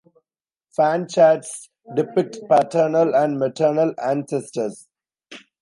Fan charts depict paternal and maternal ancestors.